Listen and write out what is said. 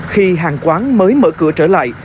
khi hàng quán mới mở cửa trở lại